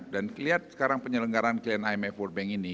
dan lihat sekarang penyelenggaraan klien imf world bank ini